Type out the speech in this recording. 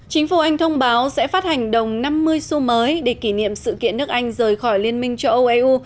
chính phủ anh thông báo sẽ phát hành đồng năm mươi xu mới để kỷ niệm sự kiện nước anh rời khỏi liên minh châu âu eu